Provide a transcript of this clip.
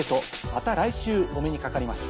また来週お目にかかります。